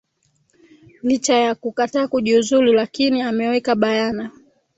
licha ya kukataa kujiuzulu lakini ameweka bayana